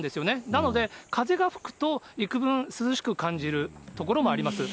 なので、風が吹くと、いくぶん涼しく感じるところもあります。